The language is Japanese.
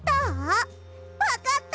わかった！